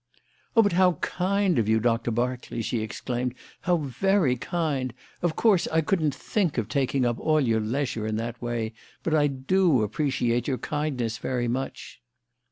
"Oh, but how kind of you, Doctor Berkeley!" she exclaimed. "How very kind! Of course, I couldn't think of taking up all your leisure in that way; but I do appreciate your kindness very much."